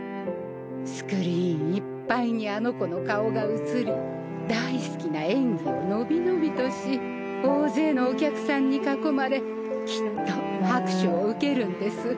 スクリーンいっぱいにあの子の顔が映り大好きな演技を伸び伸びとし大勢のお客さんに囲まれきっと拍手を受けるんです。